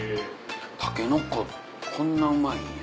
タケノコこんなうまいんや。